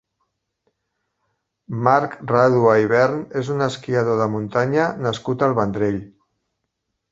Marc Ràdua Ivern és un esquiador de muntanya nascut al Vendrell.